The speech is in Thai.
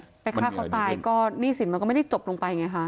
ไปฆ่าเขาตายก็หนี้สินมันก็ไม่ได้จบลงไปไงค่ะ